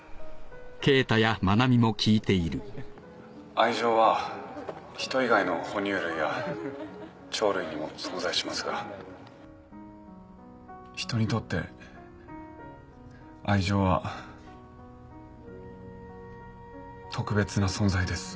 愛情はヒト以外の哺乳類や鳥類にも存在しますがヒトにとって愛情は特別な存在です。